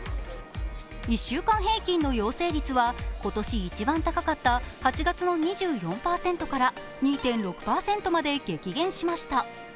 １週間平均の陽性率は今年一番高かった８月の２４％から２．６％まで激減しました。